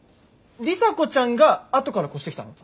里紗子ちゃんがあとから越してきたの？